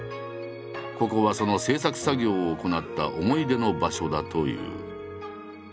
ここはその制作作業を行った思い出の場所だという。